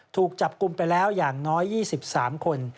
ถูกจับกลุ่มไปแล้วอย่างน้อย๒๓คน